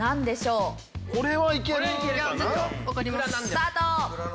スタート。